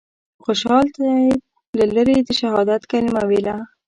خوشحال طیب له لرې د شهادت کلمه ویله.